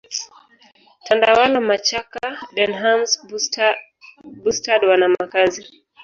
Tandawala machaka Denhams Bustard wana makazi